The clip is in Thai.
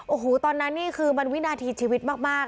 โอ้โหตอนนั้นนี่คือมันวินาทีชีวิตมาก